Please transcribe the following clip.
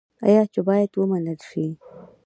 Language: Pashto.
آیا چې باید ومنل شي؟